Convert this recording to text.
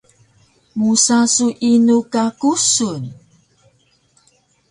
Musa su inu ka kusun?